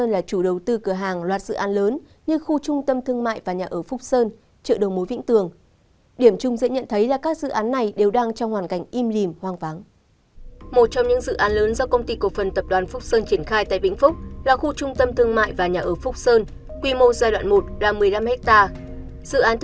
thưa quý vị tại tỉnh vĩnh phúc tập đoàn phúc sơn là chủ đầu tư cửa hàng loạt dự án lớn như khu trung tâm thương mại và nhà ở phúc sơn trợ đồng mối vĩnh tường